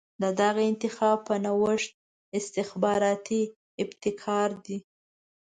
د دغه انتخاب په نوښت استخباراتي ابتکار دی.